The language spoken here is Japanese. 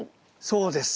そうです。